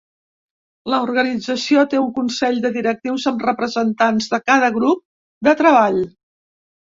L'organització té un consell de directius amb representants de cada grup de treball.